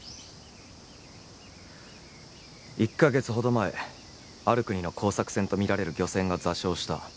１カ月ほど前ある国の工作船とみられる漁船が座礁した。